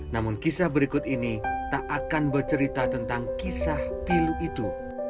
namun kisah berikut ini tak akan bercerita tentang kisah pilu itu